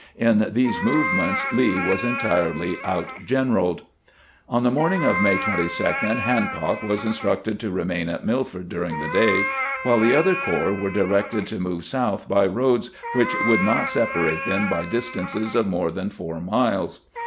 In these movements Lee was entirely outgeneraled. On the morning of May 22 Hancock was instructed to remain at MilEord during the day, while the other corps were directed to move south by roads which would not separate them by distances of more than four miles.